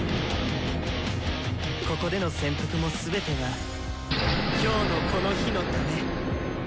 ここでの潜伏も全ては今日のこの日のため。